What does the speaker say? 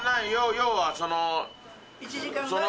要はその。